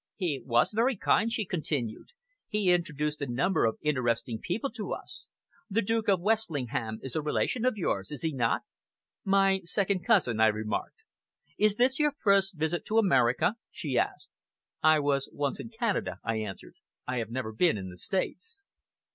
"He was very kind," she continued. "He introduced a number of interesting people to us. The Duke of Westlingham is a relation of yours, is he not?" "My second cousin," I remarked. "Is this your first visit to America?" she asked. "I was once in Canada," I answered. "I have never been in the States."